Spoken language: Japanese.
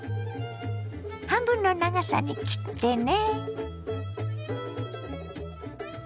半分の長さに切ってね。